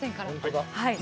はい。